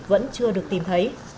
vẫn chưa được tìm thấy